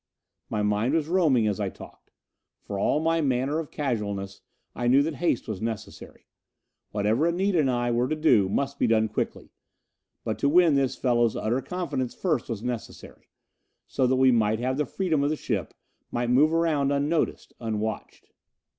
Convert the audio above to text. My mind was roaming as I talked. For all my manner of casualness, I knew that haste was necessary. Whatever Anita and I were to do must be quickly done. But to win this fellow's utter confidence first was necessary, so that we might have the freedom of the ship, might move about unnoticed, unwatched.